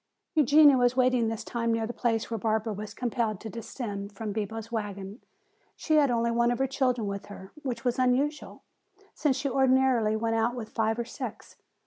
Eugenia was waiting this time near the place where Barbara was compelled to descend from Bibo's wagon. She had only one of her children with her, which was unusual, since she ordinarily went about with five or six.